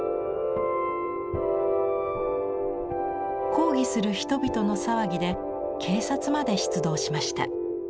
抗議する人々の騒ぎで警察まで出動しました。